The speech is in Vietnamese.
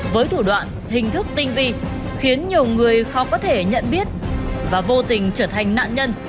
với thủ đoạn hình thức tinh vi khiến nhiều người khó có thể nhận biết và vô tình trở thành nạn nhân